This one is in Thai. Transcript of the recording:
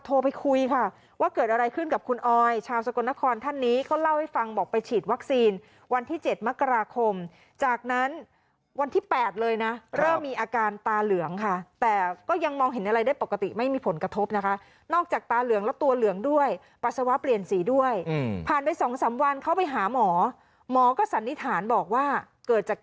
โทรไปคุยค่ะว่าเกิดอะไรขึ้นกับคุณออยชาวสกลนครท่านนี้เขาเล่าให้ฟังบอกไปฉีดวัคซีนวันที่๗มกราคมจากนั้นวันที่๘เลยนะเริ่มมีอาการตาเหลืองค่ะแต่ก็ยังมองเห็นอะไรได้ปกติไม่มีผลกระทบนะคะนอกจากตาเหลืองแล้วตัวเหลืองด้วยปัสสาวะเปลี่ยนสีด้วยผ่านไปสองสามวันเข้าไปหาหมอหมอก็สันนิษฐานบอกว่าเกิดจาก